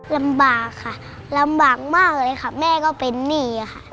ลำบากค่ะลำบากมากเลยค่ะแม่ก็เป็นหนี้ค่ะ